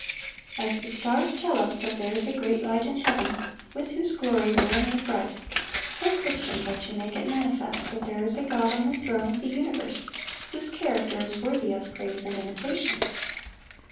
As the stars tell us that there is a great light in heaven with whose glory they are made bright, so Christians are to make it manifest that there is a God on the throne of the universe whose character is worthy of praise and imitation.